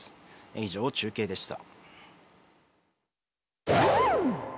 以上、中継でした。